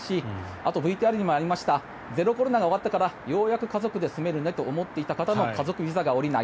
あとＶＴＲにもありましたゼロコロナが終わったからようやく家族で住めるねと思っていた方も家族ビザが下りない。